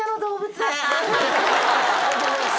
ありがとうございます。